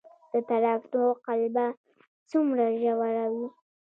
د تراکتور قلبه څومره ژوره وي؟